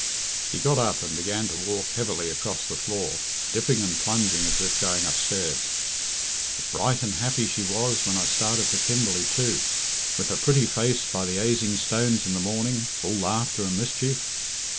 He got up and began to walk heavily across the floor, dipping and plunging as if going upstairs. "The bright and happy she was when I started for Kimberley, too; with her pretty face by the aising stones in the morning, all laughter and mischief.